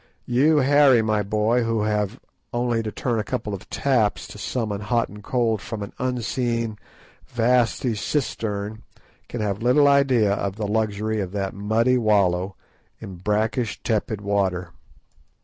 You, Harry, my boy, who have only to turn on a couple of taps to summon "hot" and "cold" from an unseen, vasty cistern, can have little idea of the luxury of that muddy wallow in brackish tepid water.